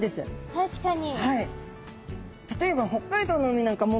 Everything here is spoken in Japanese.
確かに。